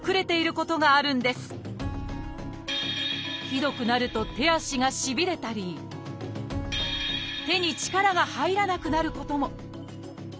ひどくなると手足がしびれたり手に力が入らなくなることも。